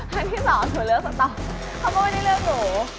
ครั้งที่สองหนูเลือกหนูตอบเขาก็ไม่ได้เลือกหนู